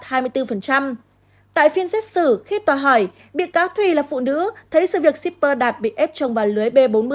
tại phiên xét xử khi tòa hỏi bị cáo thủy là phụ nữ thấy sự việc shipper đạt bị ép chồng vào lưới b bốn mươi